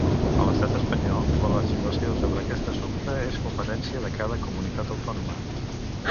A l'Estat espanyol la legislació sobre aquest assumpte és competència de cada Comunitat Autònoma.